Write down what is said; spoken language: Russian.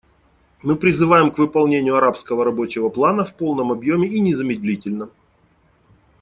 Мы призываем к выполнению арабского рабочего плана в полном объеме и незамедлительно.